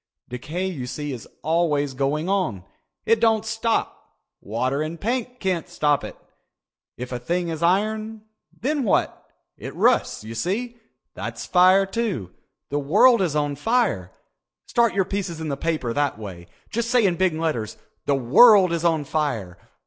Decay you see is always going on. It doesn't stop. Water and paint can't stop it. If a thing is iron, then what? It rusts, you see. That's fire, too. The world is on fire. Start your pieces in the paper that way. Just say in big letters _'The World Is On Fire.